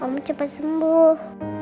ma cepat sembuh